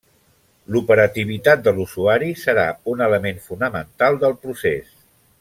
L'operativitat de l'usuari serà un element fonamental del procés.